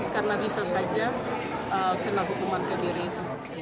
karena bisa saja kena hukuman kebiri itu